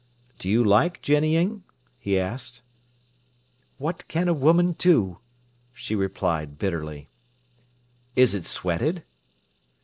"Do you like jennying?" he asked. "What can a woman do!" she replied bitterly. "Is it sweated?"